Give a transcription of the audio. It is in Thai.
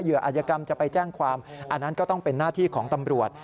อาจยกรรมจะไปแจ้งความอันนั้นก็ต้องเป็นหน้าที่ของตำรวจ